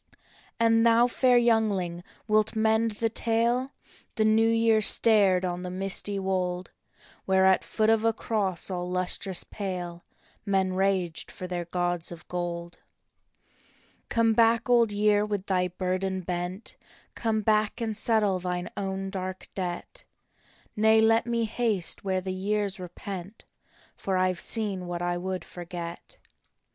And thou, fair youngling, wilt mend the tale? " The New Year stared on the misty wold, Where at foot of a cross all lustrous pale Men raged for their gods of gold. " Come back, Old Year, with thy burden bent. Come back and settle thine own dark debt." " Nay, let me haste where the years repent, For I ve seen what I would forget."